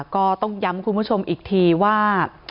ก็ต้องย้ำคุณผู้ชมอีกทีว่า